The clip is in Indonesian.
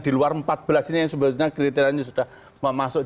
diluar empat belas ini sebenarnya kriteria sudah memasuki